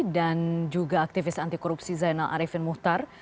juga aktivis anti korupsi zainal arifin muhtar